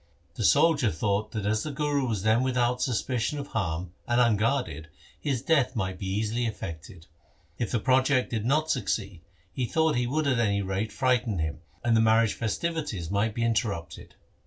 The soldier thought that as the Guru was then without suspicion of harm and unguarded, his death might be easily effected. Even if the project did not succeed, he thought he would at any rate frighten him, and the marriage festivities might be interrupted.